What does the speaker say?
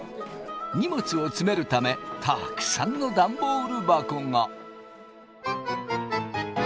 荷物を詰めるためたくさんのダンボール箱が。